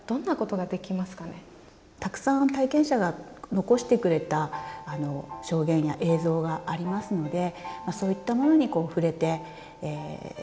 たくさん体験者が残してくれた証言や映像がありますのでそういったものに触れて証言と向き合ってほしい。